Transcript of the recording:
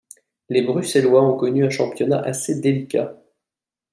Les Bruxellois ont connu un championnat assez délicat.